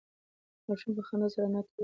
ماشوم په خندا سره انا ته وویل نه.